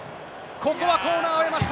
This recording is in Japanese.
ここはコーナーを得ました。